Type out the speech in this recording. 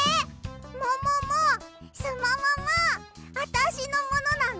もももすもももあたしのものなの？